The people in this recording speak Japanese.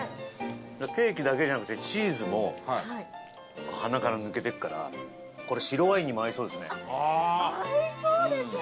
ケーキだけじゃなくてチーズも鼻から抜けていくからこれ、白ワインにも合いそうですね。